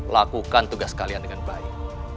lakukan tugas kalian dengan baik